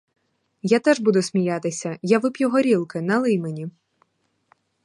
Я теж буду сміятися, я вип'ю горілки, налий мені!